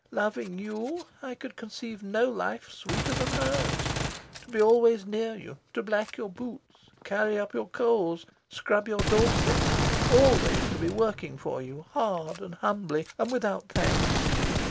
Loving you, I could conceive no life sweeter than hers to be always near you; to black your boots, carry up your coals, scrub your doorstep; always to be working for you, hard and humbly and without thanks.